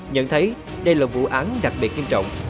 nhận thấy đây là vụ án đặc biệt nghiêm trọng